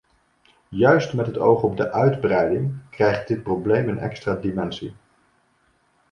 Juist met het oog op de uitbreiding krijgt dit probleem een extra dimensie.